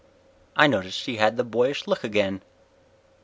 I noticed he had the boyish look again.